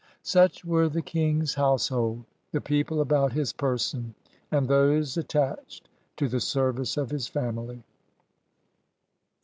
Such were the king's household, the people about his person, and those attached to the service of his family.